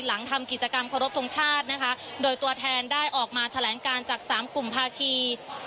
หลังทำกิจกรรมขอรบทรงชาตินะคะโดยตัวแทนได้ออกมาแถลงการจากสามกลุ่มภาคี